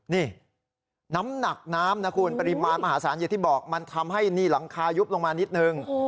นี่น้ำหนักน้ำนะคุณปริมาณมหาศาลอย่างที่บอกมันทำให้นี่หลังคายุบลงมานิดนึง